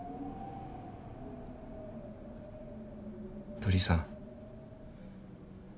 鳥居さん。